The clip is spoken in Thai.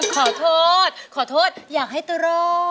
ขอโทษขอโทษอยากให้ตัวรอด